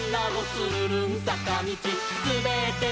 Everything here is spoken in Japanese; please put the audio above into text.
つるるんさかみち」「すべってもどって」